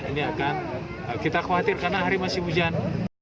ini akan kita khawatir karena hari masih hujan